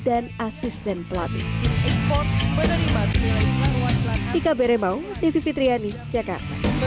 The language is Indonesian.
dan asisten pelatih